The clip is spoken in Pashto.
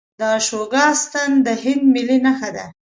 د اشوکا ستن د هند ملي نښه ده.